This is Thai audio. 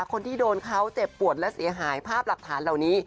คนที่โดนเขาเจ็บปวดและเสียหายภาพหลักฐานเหล่านี้